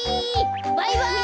バイバイ！